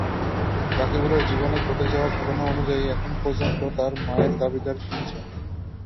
রাকিবুলের জীবনে ঘটে যাওয়া ঘটনা অনুযায়ী, এখন পর্যন্ত তার মায়ের দাবিদার তিনজন।